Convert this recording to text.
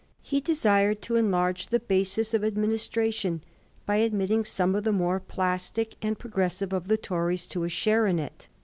He desired to enlarge the basis of administration by admitting some of the more plaatic and progressive of the Tories to a share in it.